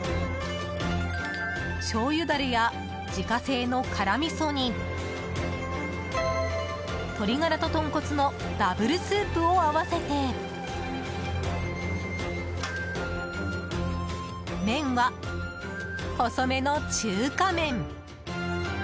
しょうゆダレや自家製の辛みそに鶏ガラと豚骨のダブルスープを合わせて麺は細めの中華麺。